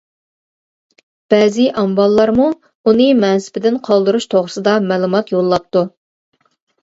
بەزى ئامباللارمۇ ئۇنى مەنسىپىدىن قالدۇرۇش توغرىسىدا مەلۇمات يوللاپتۇ.